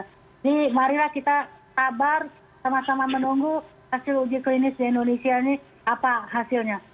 jadi marilah kita sabar sama sama menunggu hasil uji klinis di indonesia ini apa hasilnya